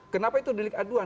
kenapa itu dilik aduan